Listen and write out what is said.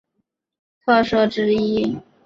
自治会是全人中学很重要的特色之一。